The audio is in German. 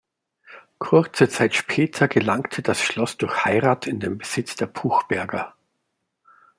Kurze Zeit später gelangte das Schloss durch Heirat in den Besitz der Puchberger.